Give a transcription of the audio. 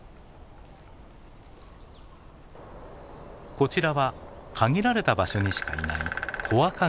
こちらは限られた場所にしかいないコアカゲラ。